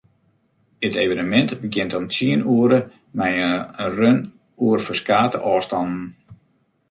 It evenemint begjint om tsien oere mei in run oer ferskate ôfstannen.